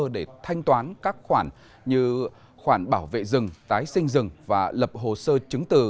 để thanh toán các khoản như khoản bảo vệ rừng tái sinh rừng và lập hồ sơ chứng từ